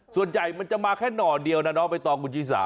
ส่วนใหญ่มันจะมาแค่หน่อเดียวนะเนาะไปตอนกุญชีสา